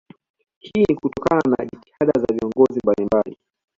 Hii ni kutokana na jitihada za viongozi mbalimbali